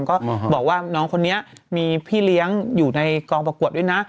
ก็บอกว่าน้องคนนี้มีพี่เลี้ยงอยู่ในกองประกวดด้วยนะ